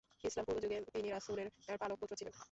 ইসলাম পূর্ব যুগে তিনি রাসূলের পালক পুত্র ছিলেন।